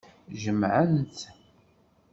Jemɛen-t.